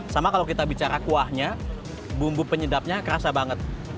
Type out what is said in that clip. sama kalau kita bicara kuahnya bumbu penyedapnya kerasa banget